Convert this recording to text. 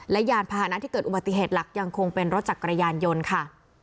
และยานพาหนะที่เกิดอุบัติเหตุหลักยังคงเป็นรถจักรยานยนต์ค่ะ